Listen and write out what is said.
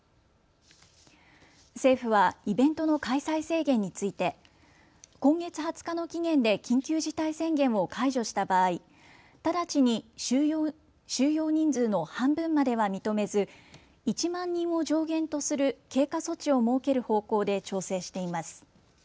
政府はイベントの開催制限について今月２０日の期限で緊急事態宣言を解除した場合、直ちに収容人数の半分までは認めず、１万人を上限とする経過措置を設ける方向で調整しています。